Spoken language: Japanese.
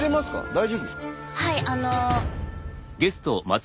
大丈夫ですか？